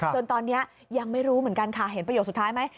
จนตอนนี้ยังไม่รู้เหมือนกันค่ะเห็นประโยคสุดท้ายไหม